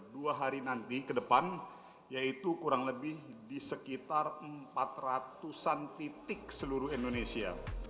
dua hari nanti ke depan yaitu kurang lebih di sekitar empat ratus an titik seluruh indonesia